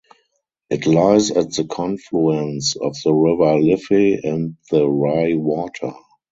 It lies at the confluence of the River Liffey and the Rye Water.